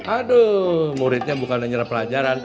aduh muridnya bukan hanya pelajaran